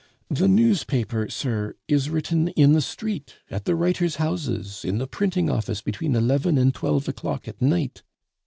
The newspaper, sir, is written in the street, at the writers' houses, in the printing office between eleven and twelve o'clock at night.